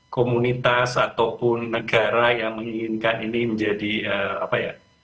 komunitas ataupun negara yang menginginkan ini menjadi apa ya